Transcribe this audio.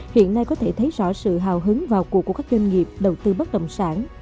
hiện nay có thể thấy rõ sự hào hứng vào cuộc của các doanh nghiệp đầu tư bất động sản